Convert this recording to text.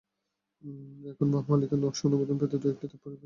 এখন ভবনমালিকদের নকশা অনুমোদন পেতে দু-একটি ধাপ বেশি পার হতে হবে।